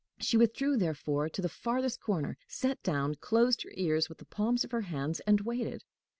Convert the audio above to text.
She withdrew therefore to the farthest corner, sat down, closed her ears with the palms of her hands, and waited.